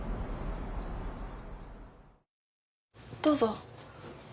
どうぞ。